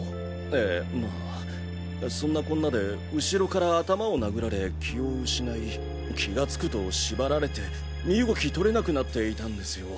ええまぁそんなこんなで後ろから頭を殴られ気を失い気が付くと縛られて身動きとれなくなっていたんですよ。